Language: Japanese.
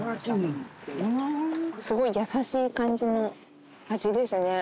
すごい優しい感じの味ですね。